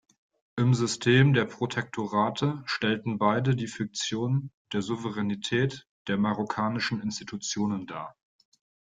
Im System der Protektorate stellten beide die Fiktion der Souveränität der marokkanischen Institutionen dar.